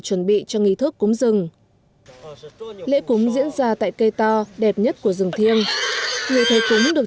giúp cho nghi thức cúng rừng lễ cúng diễn ra tại cây to đẹp nhất của rừng thiêng người thầy cúng được